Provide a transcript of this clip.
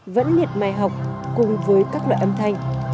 vẫn miệt mài học cùng với các loại âm thanh